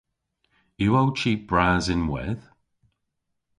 Yw ow chi bras ynwedh?